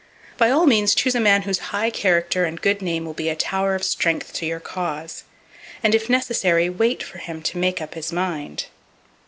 By all means choose a man whose high character and good name will be a tower of strength to your cause; and if necessary, wait for him to make up his mind.